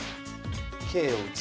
桂を打つ。